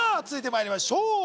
続いてまいりましょう